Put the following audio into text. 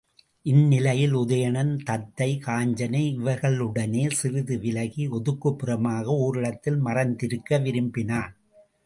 இந் நிலையில் உதயணன், தத்தை, காஞ்சனை இவர்களுடனே சிறிது விலகி ஒதுக்குப் புறமாக ஓரிடத்தில் மறைந்திருக்க விரும்பினான்.